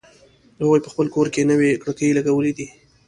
هغوی په خپل کور کی نوې کړکۍ لګولې دي